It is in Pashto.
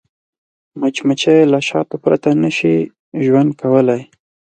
مچمچۍ له شاتو پرته نه شي ژوند کولی